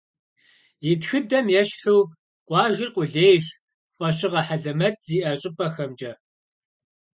И тхыдэм ещхьу, къуажэр къулейщ фӏэщыгъэ хьэлэмэт зиӏэ щӏыпӏэхэмкӏэ.